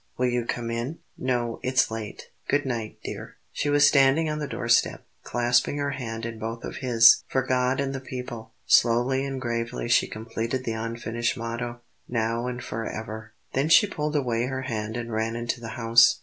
Will you come in?" "No; it's late. Good night, dear!" He was standing on the doorstep, clasping her hand in both of his. "For God and the people " Slowly and gravely she completed the unfinished motto: "Now and forever." Then she pulled away her hand and ran into the house.